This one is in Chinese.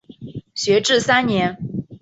学制三年。